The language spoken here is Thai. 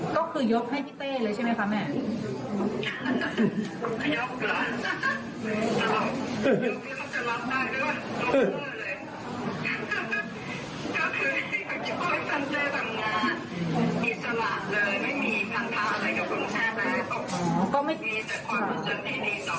ก็คือยกด้วยองค์ให้พี่เต้นั่นไหมแม่